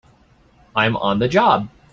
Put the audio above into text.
I'm on the job!